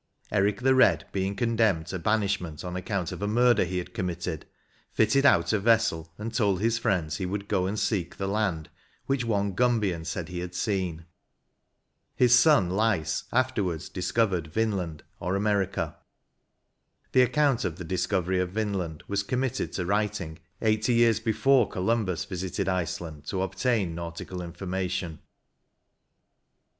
Eric the Bed^ being con demned to banishment on account of a murder he had committed, fitted out a vessel and told his iriends he would go and seek the land which one Gunbian said he had seen. His son Leiss after wards discovered Vinland or America. The ac count of the discovery of Vinland was committed to writing eighty years before Columbus visited Iceland to obtain nautical informatioQ.